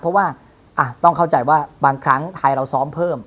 เพราะว่าต้องเข้าใจว่าบางครั้งไทยเราซ้อมเพิ่ม